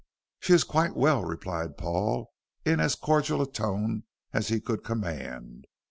"She is quite well," replied Paul, in as cordial a tone as he could command.